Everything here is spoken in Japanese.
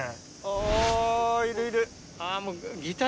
あいるいる。